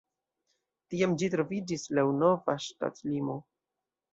Tiam ĝi troviĝis laŭ la nova ŝtatlimo.